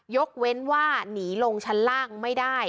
ยกเว้นว่าหนีลงชั้นล่างไม่ได้